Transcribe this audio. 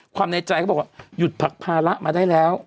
ในใจเขาบอกว่าหยุดผลักภาระมาได้แล้ว